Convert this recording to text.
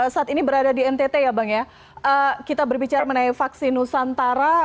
saat ini berada di ntt ya bang ya kita berbicara mengenai vaksin nusantara